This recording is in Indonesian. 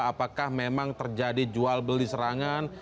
apakah memang terjadi jual beli serangan